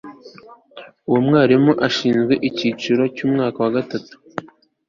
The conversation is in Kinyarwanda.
Uwo mwarimu ashinzwe icyiciro cyumwaka wa gatatu